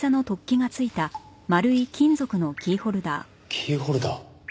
キーホルダー？